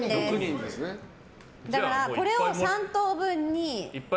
だからこれを３等分に。